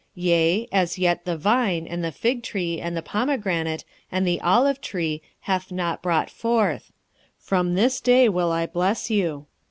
yea, as yet the vine, and the fig tree, and the pomegranate, and the olive tree, hath not brought forth: from this day will I bless you.